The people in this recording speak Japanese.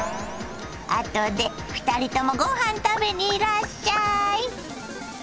あとで２人ともごはん食べにいらっしゃい。